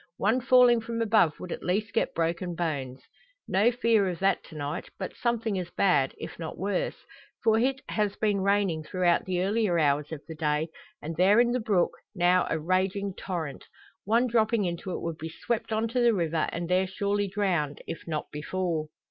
One falling from above would at least get broken bones. No fear of that to night, but something as bad, if not worse. For it has been raining throughout the earlier hours of the day, and there in the brook, now a raging torrent. One dropping into it would be swept on to the river, and there surely drowned, if not before.